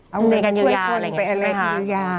เอาเมลงการเยียวยาอะไรอย่างนี้ใช่ไหมคะ